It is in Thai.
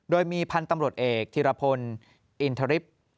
โดยมีพันธุ์ตำรวจเอกธิรพลอินทริป